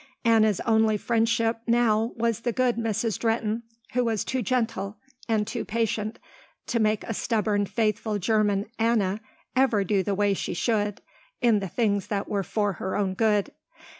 Anna's only friendship now was with good Mrs. Drehten who was too gentle and too patient to make a stubborn faithful german Anna ever do the way she should, in the things that were for her own good.